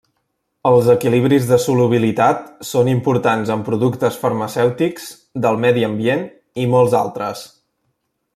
Els equilibris de solubilitat són importants en productes farmacèutics, del medi ambient i molts altres.